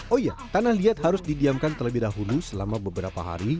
oh iya tanah liat harus didiamkan terlebih dahulu selama beberapa hari